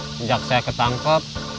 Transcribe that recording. sejak saya ketangkep